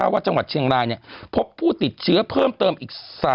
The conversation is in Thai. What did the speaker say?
จังหวัดเชียงรายพบผู้ติดเชื้อเพิ่มเติมอีก